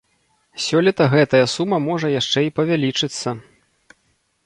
Сёлета гэтая сума можа яшчэ і павялічыцца.